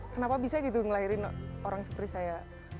kenapa bisa gitu ngelahirin orang seperti saya